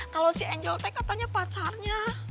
kalau si angel t katanya pacarnya